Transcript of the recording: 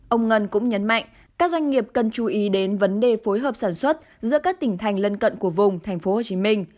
ông ngân cũng nhấn mạnh các doanh nghiệp cần chú ý đến vấn đề phối hợp sản xuất giữa các tỉnh thành lân cận của vùng tp hcm